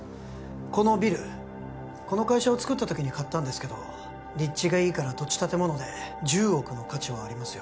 このビルこの会社を作った時に買ったんですけど立地がいいから土地建物で１０億の価値はありますよ